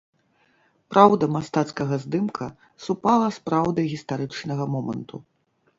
Праўда мастацкага здымка супала з праўдай гістарычнага моманту.